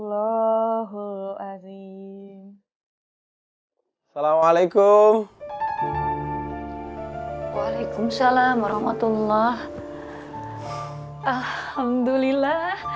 waalaikumsalam warahmatullah alhamdulillah